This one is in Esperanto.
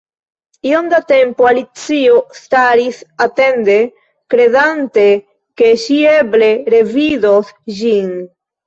Iom da tempo Alicio staris atende, kredante ke ŝi eble revidos ĝin.